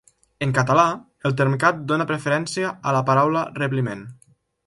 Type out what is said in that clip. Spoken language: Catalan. En català, el Termcat dóna preferència a la paraula rebliment.